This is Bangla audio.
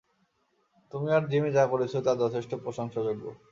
তুমি আর জিমি যা করেছ তা যথেষ্ট প্রশংসাযোগ্য।